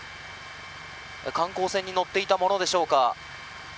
観光船に乗っていたものでしょうか。